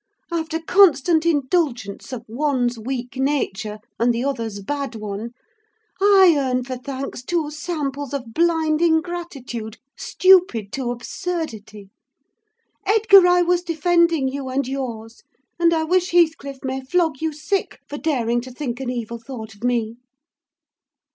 After constant indulgence of one's weak nature, and the other's bad one, I earn for thanks two samples of blind ingratitude, stupid to absurdity! Edgar, I was defending you and yours; and I wish Heathcliff may flog you sick, for daring to think an evil thought of me!"